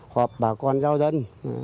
họp bà con giáo dân